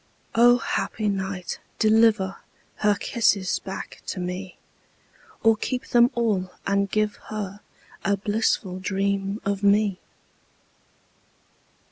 O happy night, deliver Her kisses back to me, Or keep them all, and give her A blisslul dream of me!